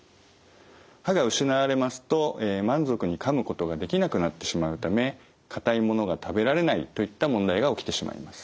歯が失われますと満足にかむことができなくなってしまうためかたいものが食べられないといった問題が起きてしまいます。